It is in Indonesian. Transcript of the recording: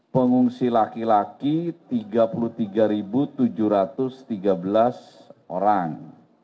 pengungsi laki laki tiga puluh tiga tujuh ratus tiga belas orang